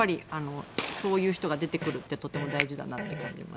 そういう人が出てくるってとても大事だなと。